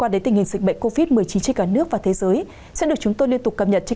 đến tình hình dịch bệnh covid một mươi chín trên cả nước và thế giới sẽ được chúng tôi liên tục cập nhật trên